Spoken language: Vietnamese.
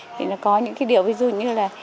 thì nó có những cái điệu ví dụ như là